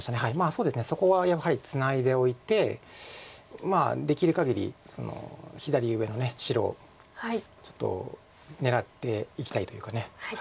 そうですねそこはやはりツナいでおいてまあできるかぎり左上の白をちょっと狙っていきたいというか。